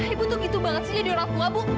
ibu tuh gitu banget sih jadi orang tua bu